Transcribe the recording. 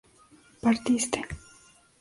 partiste